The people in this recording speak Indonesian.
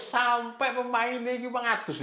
sampai pemainnya ini mengatus